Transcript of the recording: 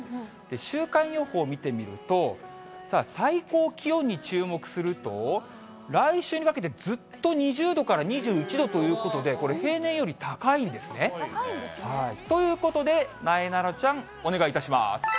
週間予報を見てみると、さあ、最高気温に注目すると、来週にかけてずっと２０度から２１度ということで、これ、平年より高いんですね。ということで、なえなのちゃん、お願いいたします。